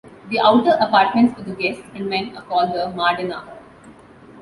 The outer apartments for guests and men are called the "Mardana".